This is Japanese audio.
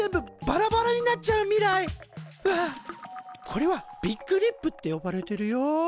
これはビッグリップって呼ばれてるよ。